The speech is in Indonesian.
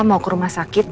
mau ke rumah sakit